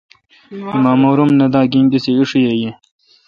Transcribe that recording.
ایمامور ام نہ دہ۔ گجین کسے ایݭی یہ۔